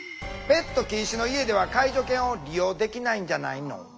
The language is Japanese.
ペット禁止の家では介助犬を利用できないんじゃないの？